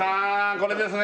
これですね